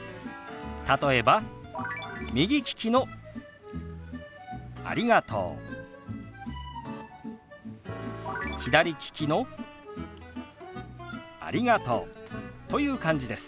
例えば右利きの「ありがとう」左利きの「ありがとう」という感じです。